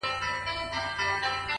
o توره مي تر خپلو گوتو وزي خو ـ